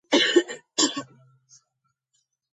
ზღვის ლეოპარდები ხმელეთზე ჯგუფებად ამოდიან.